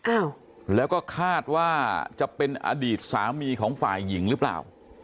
อ้าวแล้วก็คาดว่าจะเป็นอดีตสามีของฝ่ายหญิงหรือเปล่า